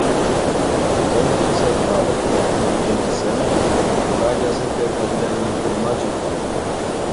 Карачӑм пичче таврӑннӑ тенине илтсен, эпӗ ачасемпе пӗрле ӑна курма чупрӑм.